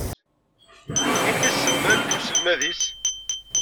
Amek i s-semman i wselmad-is?